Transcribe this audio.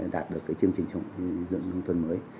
đạt được chương trình xây dựng nông thôn mới